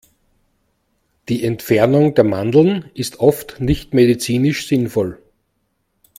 Die Entfernung der Mandeln ist oft nicht medizinisch sinnvoll.